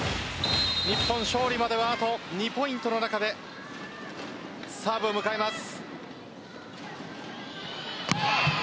日本、勝利まではあと２ポイントの中でサーブを迎えます。